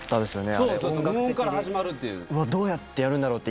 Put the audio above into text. あれ音楽的にどうやってやるんだろうって